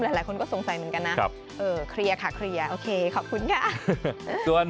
แต่หลายคนก็สงสัยเหมือนกันนะโอเคขอบคุณค่ะ